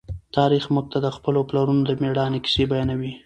تاریخ موږ ته د خپلو پلرونو د مېړانې کیسې بیانوي.